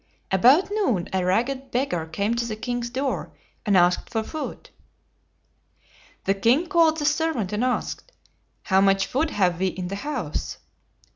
About noon a ragged beggar came to the king's door, and asked for food. The king called the servant, and asked, "How much food have we in the house?"